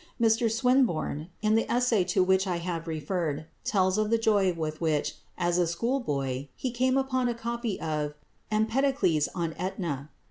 Mr Swinburne, in the essay to which I have referred, tells of the joy with which, as a schoolboy, he came upon a copy of "Empedocles on Etna."